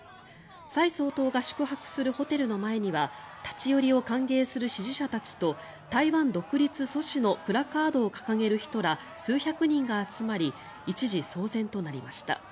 蔡総統が宿泊するホテルの前には立ち寄りを歓迎する支持者たちと台湾独立阻止のプラカードを掲げる人ら数百人が集まり一時、騒然となりました。